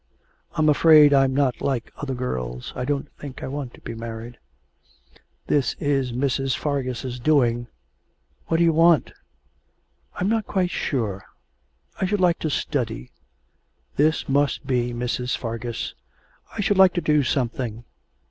I'm afraid I'm not like other girls. ... I don't think I want to be married.' 'This is Mrs. Fargus' doing. What do you want?' 'I'm not quite sure. I should like to study.' 'This must be Mrs. Fargus.' 'I should like to do something.'